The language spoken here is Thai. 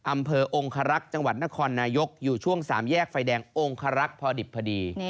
อำเภอองคารักษ์จังหวัดนครนายกอยู่ช่วง๓แยกไฟแดงองคารักษ์พอดิบพอดี